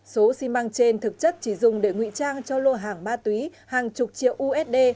số xi măng trên thực chất chỉ dùng để ngụy trang cho lô hàng ma túy hàng chục triệu usd